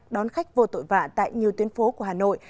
đón khách vô tội vạ tại nhiều tuyến phố của hà nội